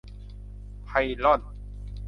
ไพลอน